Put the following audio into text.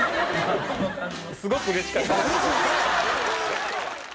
すごくうれしかった。